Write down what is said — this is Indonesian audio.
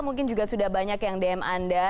mungkin juga sudah banyak yang dm anda